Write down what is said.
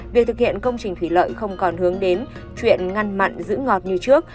việc thực hiện công trình thủy lợi không còn hướng đến chuyện ngăn mặn giữ ngọt như trước